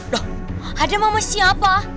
loh adam sama siapa